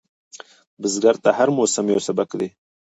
بزګر ته هر موسم یو سبق دی